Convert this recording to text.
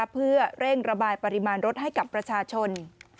เพื่อเร่งระบายปริมาณรถให้กับประชาชน